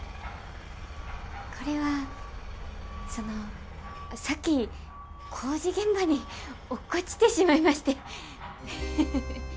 これはそのさっき工事現場に落っこちてしまいましてフフフ。